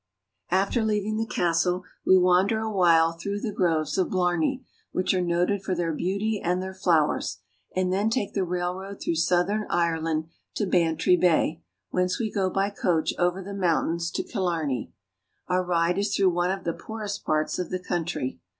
After leaving the castle we wander awhile through the Groves of Blarney, which are noted for their beauty and their flowers, and then take the railroad through southern Ireland to Bantry Bay, whence we go by coach over the mountains to Killarney. Our ride is through one of the poorest parts of the country.